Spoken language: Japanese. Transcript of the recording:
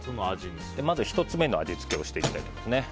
まず１つ目の味付けをしていきたいと思います。